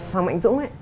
hoàng mạnh dũng